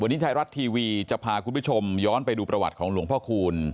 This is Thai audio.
วันนี้ไทยรัฐทีวีจะพาคุณผู้ชมย้อนไปดูประวัติของหลวงพ่อคูณ